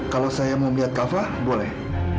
kalau saya mau melihat kafa boleh